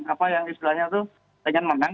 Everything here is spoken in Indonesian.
apa yang istilahnya itu pengen menang